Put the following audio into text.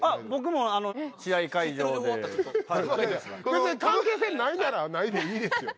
別に関係性ないならないでいいですよ。